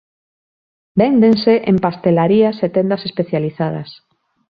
Véndense en pastelarías e tendas especializadas.